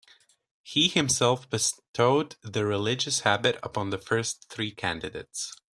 He himself bestowed the religious habit upon the first three candidates.